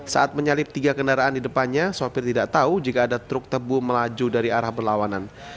saat menyalip tiga kendaraan di depannya sopir tidak tahu jika ada truk tebu melaju dari arah berlawanan